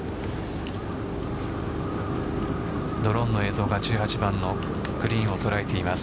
ドローンの映像が１８番のグリーンを捉えています。